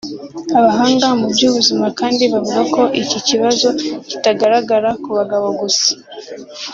Abahanga mu by’ubuzima kandi bavuga ko iki kibazo kitagaragara ku bagabo gusa